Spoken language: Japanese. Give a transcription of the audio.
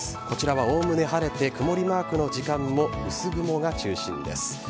こちらはおおむね晴れて、曇りマークの時間も薄雲が中心です。